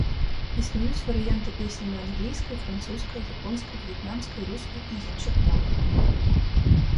Існуюць варыянты песні на англійскай, французскай, японскай, в'етнамскай, рускай і іншых мовах.